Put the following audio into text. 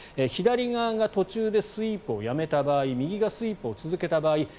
左側が途中でスイープをやめた場合右がスイープを続けた場合。